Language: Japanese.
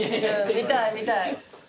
見たい見たい。